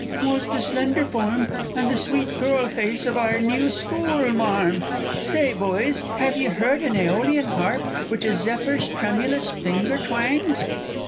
_ was the slender form, and the sweet girl face of our new "School Marm"! Say, boys! hev' ye heard an Æolian harp which a Zephyr's tremulous finger twangs?